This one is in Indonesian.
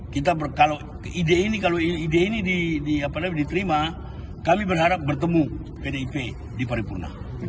kalau ide ini diterima kami berharap bertemu pdip di paripurna